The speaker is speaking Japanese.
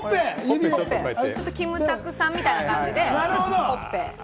キムタクさんみたいな感じで、ほっぺ。